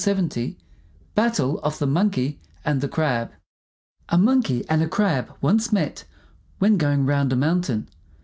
BATTLE OF THE MONKEY AND THE CRAB A monkey and a Crab once met when going round a mountain.